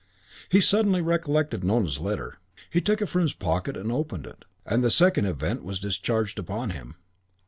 He suddenly recollected Nona's letter. He took it from his pocket and opened it; and the second event was discharged upon him.